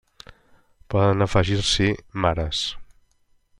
Poden afegir-s'hi mares.